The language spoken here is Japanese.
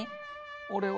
俺は。